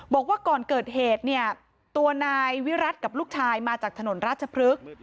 บอกว่าก่อนเกิดเหตุเนี่ยตัวนายวิรัติกับลูกชายมาจากถนนราชพฤกษ์